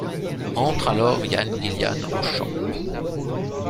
Entre alors Ian Gillan au chant.